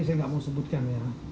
saya tidak mau sebutkan